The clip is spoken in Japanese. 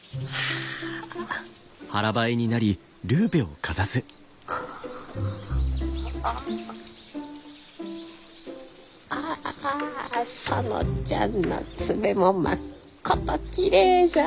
あああ園ちゃんの爪もまっこときれいじゃ。